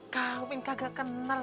kau min kagak kenal